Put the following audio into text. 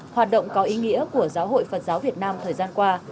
hoạt động có ý nghĩa của giáo hội phật giáo việt nam thời gian qua